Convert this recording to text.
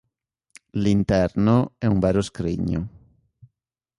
L'interno è un vero scrigno.